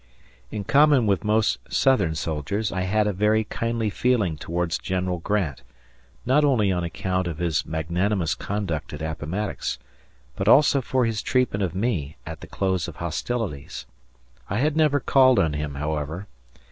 In common with most Southern soldiers, I had a very kindly feeling towards General Grant, not only on account of his magnanimous conduct at Appomattox, but also for his treatment of me at the close of hostilities. I had never called on him, however.